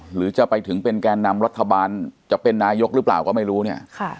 หรือจะไปถึงเป็นแก่นำรัฐบาลจะเป็นนายกหรือเปล่าก็ไม่รู้เนี่ย